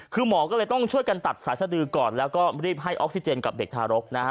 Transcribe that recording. คือหมอก็เลยต้องช่วยกันตัดสายสดือก่อนแล้วก็รีบให้ออกซิเจนกับเด็กทารกนะฮะ